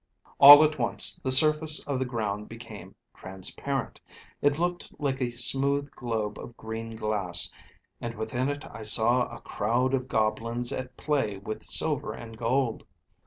"All at once the surface of the ground became transparent; it looked like a smooth globe of green glass, and within it I saw a crowd of goblins at play with silver and gold.